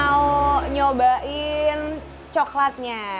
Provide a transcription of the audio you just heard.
mau nyobain coklatnya